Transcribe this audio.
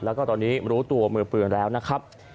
แล้วก็ตอนนี้รู้ตัวมือปืนแล้วนะครับ